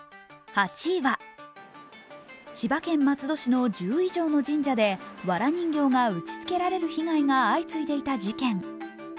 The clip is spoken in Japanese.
千葉県松戸市の１０以上の神社でわら人形が打ち付けられる被害が相次いでいた事件。